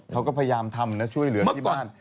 เขาก็พยายามทำนะช่วยเหลือที่บ้าน